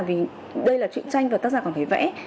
vì đây là chuyện tranh và tác giả còn phải vẽ